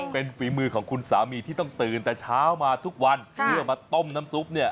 เป็นฝีมือของคุณสามีที่ต้องตื่นแต่เช้ามาทุกวันเพื่อมาต้มน้ำซุปเนี่ย